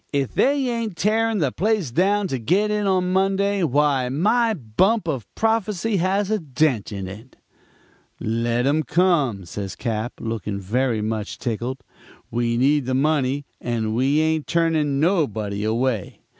'If they ain't tearing the place down to get in on Monday, why my bump of prophecy has a dent in it.' "'Let 'em come,' says Cap., looking very much tickled. 'We need the money and we ain't turning nobody away.